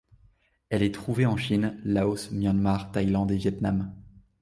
Elle est trouvée en Chine, Laos, Myanmar, Thaïlande et Vietnam.